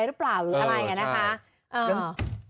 หรือเปล่าหรืออะไรอ่ะนะคะ